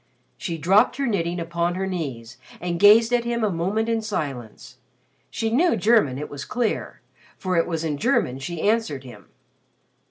She dropped her knitting upon her knees and gazed at him a moment in silence. She knew German it was clear, for it was in German she answered him.